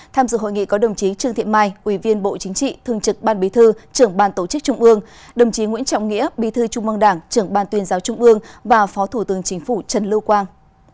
tham dự hội nghị có đồng chí trương thị mai ủy viên bộ chính trị thương trực ban bí thư trưởng ban tổ chức trung ương đồng chí nguyễn trọng nghĩa bí thư trung mong đảng trưởng ban tuyên giáo trung ương và phó thủ tướng chính phủ trần lưu quang